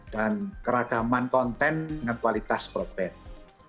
dan keragaman konten dengan kualitas broadband